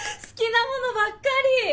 好きなものばっかり！